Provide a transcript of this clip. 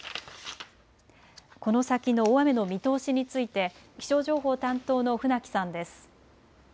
この先の大雨の見通しについて気象情報担当の船木さんです。